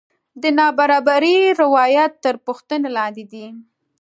د نابرابرۍ روایت تر پوښتنې لاندې دی.